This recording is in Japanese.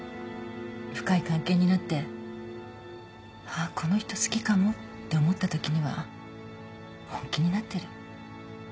深い関係になって「ああ。この人好きかも」って思ったときには本気になってる。